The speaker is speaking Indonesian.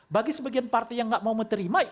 bagi sebagian partai yang gak mau menerima